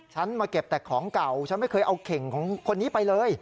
มาเก็บแต่ของเก่าฉันไม่เคยเอาเข่งของคนนี้ไปเลย